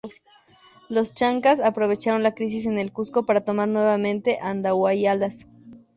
Los chancas aprovecharon la crisis en el Cuzco para tomar nuevamente Andahuaylas.